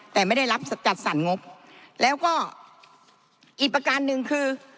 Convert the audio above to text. แต่ไม่ได้รับจัดสรรงบแล้วก็อีกประการหนึ่งคือ